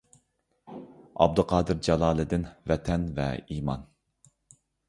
ئابدۇقادىر جالالىدىن: «ۋەتەن ۋە ئىمان»